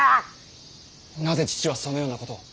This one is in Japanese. なぜ父はそのようなことを。